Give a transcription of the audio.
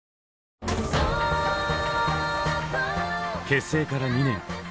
結成から２年。